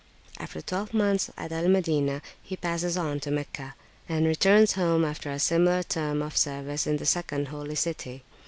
After twelve months at Al Madinah, he passes on to Meccah, and returns home after a similar term of service in the second Holy City.